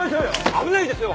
危ないですよ！